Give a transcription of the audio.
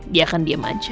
dia akan diem aja